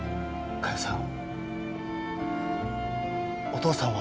嘉代さん。